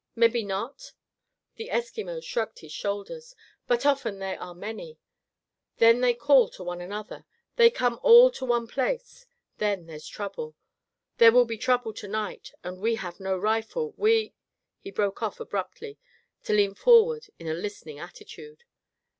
"Mebby not," the Eskimo shrugged his shoulders, "but often they are many. Then they call to one another. They come all to one place. Then there's trouble. There will be trouble to night, and we have no rifle. We—" He broke off abruptly to lean forward in a listening attitude.